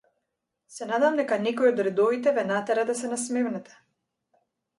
Се надевам дека некои од редовите ве натера да се насмевнете.